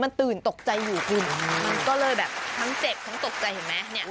มันตื่นตกใจอยู่กินก็เลยแบบทั้งเจ็บทั้งตกใจเห็นไหม